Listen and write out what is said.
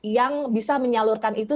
yang bisa menyalurkan itu